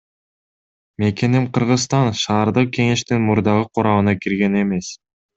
Мекеним Кыргызстан шаардык кеңештин мурдагы курамына кирген эмес.